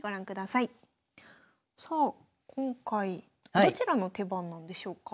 さあ今回どちらの手番なんでしょうか？